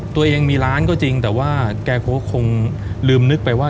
ตัวเองมีร้านก็จริงแต่ว่าแกก็คงลืมนึกไปว่า